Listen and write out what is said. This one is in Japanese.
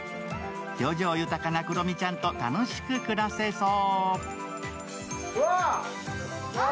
表情豊かなクロミちゃんと楽しく暮らせそう。